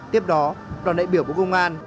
tiếp đó đoàn đại biểu của công an